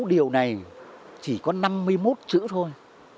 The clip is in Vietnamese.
sáu điều này chỉ có năm mươi một chữ thôi